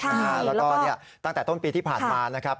แล้วก็ตั้งแต่ต้นปีที่ผ่านมานะครับ